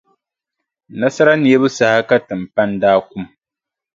Nasara neebu saha ka timpani daa kum.